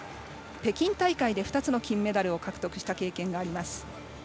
北京大会で２つの金メダルを獲得した経験があります。